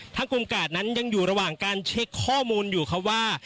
กลุ่มกาดนั้นยังอยู่ระหว่างการเช็คข้อมูลอยู่ครับว่า